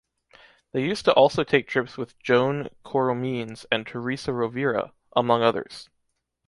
They used to also take trips with Joan Coromines and Teresa Rovira, among others.